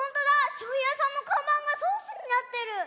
しょうゆやさんのかんばんがソースになってる。